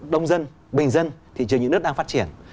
đông dân bình dân thị trường những nước đang phát triển